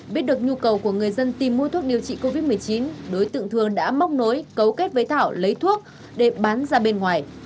biết được nhu cầu của người dân tìm mua thuốc điều trị covid một mươi chín đối tượng thường đã móc nối cấu kết với thảo lấy thuốc để bán ra bên ngoài